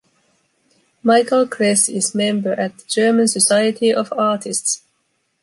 Michael Kress is member at the German society of Artists.